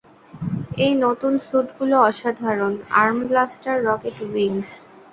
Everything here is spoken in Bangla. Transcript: এই নতুন স্যুটগুলো অসাধারণ, আর্ম ব্লাস্টার, রকেট উইংস।